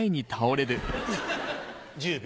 １０秒。